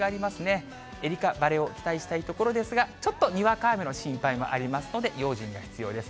愛花晴れを期待したいところですが、ちょっとにわか雨の心配もありますので、用心が必要です。